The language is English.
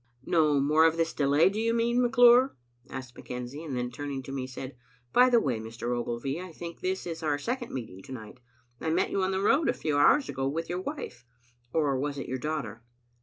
"No more of this delay, do you mean, McClure?" asked McKenzie, and then, turning to me said, "By the way, Mr. Ogilvy, I think this is our second meeting to night. I met you on the road a few hours ago with your wife. Or was it your daughter?"